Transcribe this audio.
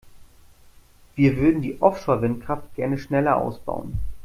Wir würden die Offshore-Windkraft gerne schneller ausbauen.